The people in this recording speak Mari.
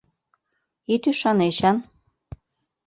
— Ит ӱшане, Эчан.